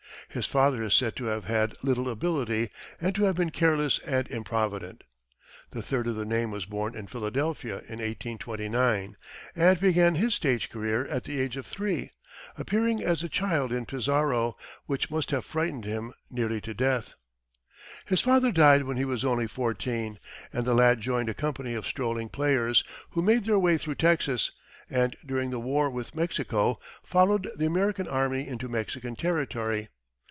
His father is said to have had little ability, and to have been careless and improvident. The third of the name was born in Philadelphia in 1829, and began his stage career at the age of three, appearing as the child in "Pizarro," which must have frightened him nearly to death. His father died when he was only fourteen, and the lad joined a company of strolling players, who made their way through Texas, and during the war with Mexico, followed the American army into Mexican territory.